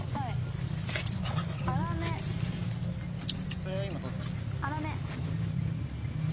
それは今どっち？